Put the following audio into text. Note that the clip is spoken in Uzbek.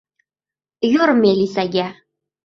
Yur melisaga!